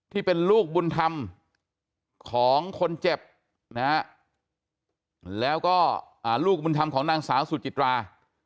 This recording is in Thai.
ที่เป็นลูกบุญธรรมของคนเจ็บนะฮะแล้วก็ลูกบุญธรรมของนางสาวสุจิตรา